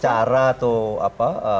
itu adalah cara atau apa